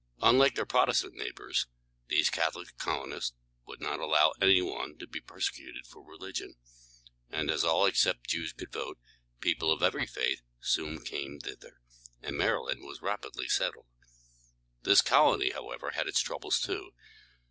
Unlike their Protestant neighbors, these Catholic colonists would not allow any one to be persecuted for religion, and as all except Jews could vote, people of every faith soon came thither, and Maryland was rapidly settled. This colony, however, had its troubles, too.